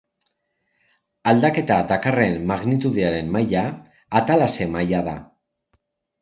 Aldaketa dakarren magnitudearen maila atalase-maila da.